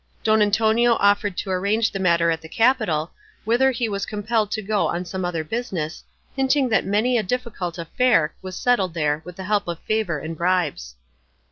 Don Antonio offered to arrange the matter at the capital, whither he was compelled to go on some other business, hinting that many a difficult affair was settled there with the help of favour and bribes.